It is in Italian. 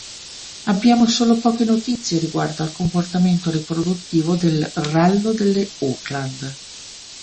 Abbiamo solo poche notizie riguardo al comportamento riproduttivo del rallo delle Auckland.